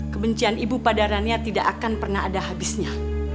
kebencian ibu pada rania tidak akan pernah ada habisnya